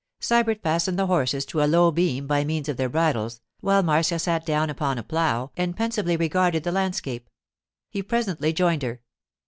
Sybert fastened the horses to a low beam by means of their bridles, while Marcia sat down upon a plough and pensively regarded the landscape. He presently joined her.